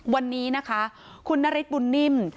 วันนี้นะคะคุณนฤทธิบุญนิ่ม